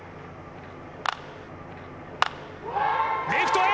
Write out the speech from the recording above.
レフトへ！